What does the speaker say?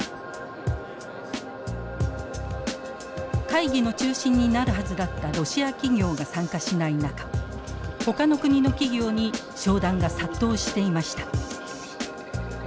会議の中心になるはずだったロシア企業が参加しない中ほかの国の企業に商談が殺到していました。